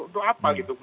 itu apa gitu